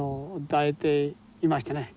抱いていましてね